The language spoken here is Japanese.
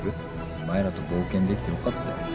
お前らと冒険できてよかったよ。